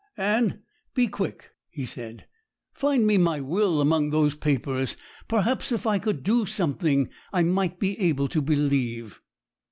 'Anne, be quick!' he said; 'find me my will among those papers. Perhaps if I could do something, I might be able to believe.'